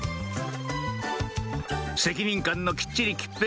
責任感のきっちり桔平